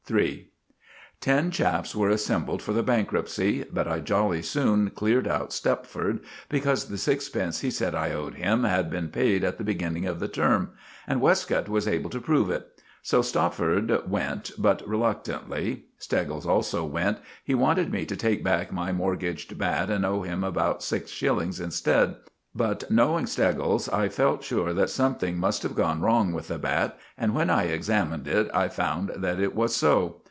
*III* Ten chaps were assembled for the bankruptcy, but I jolly soon cleared out Stopford, because the sixpence he said I owed him had been paid at the beginning of the term, and Westcott was able to prove it. So Stopford went, but reluctantly. Steggles also went. He wanted me to take back my mortgaged bat and owe him about six shillings instead, but, knowing Steggles, I felt sure that something must have gone wrong with the bat, and when I examined it, I found that it was so.